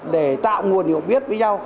để tạo nguồn hiệu biết với nhau